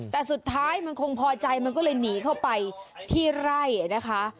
แต่สุดท้ายมันคงพอใจมันก็เลยหนีเข้าไปที่ไร่นะคะ